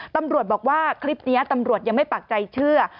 ตำรวจบอกว่าคลิปนี้ตำรวจยังไม่ปากใจเชื่อ